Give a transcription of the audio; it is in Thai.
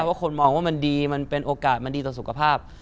ว่าคนมองว่ามันดีมันเป็นโอกาสมันดีต่อสุขภาพ